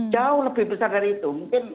jauh lebih besar dari itu mungkin